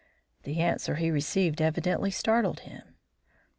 The answer he received evidently startled him.